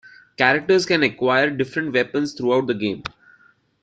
Characters can acquire different weapons throughout the game.